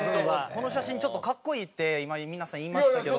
この写真ちょっと格好いいって今皆さん言いましたけど。